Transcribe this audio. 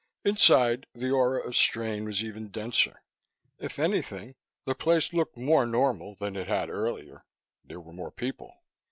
Inside, the aura of strain was even denser. If anything, the place looked more normal than it had earlier; there were more people.